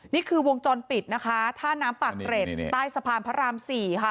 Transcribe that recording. นี่คือวงจรปิดนะคะท่าน้ำปากเกร็ดใต้สะพานพระราม๔ค่ะ